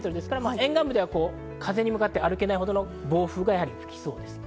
沿岸部では風に向かって歩けないほどの暴風が吹きそうです。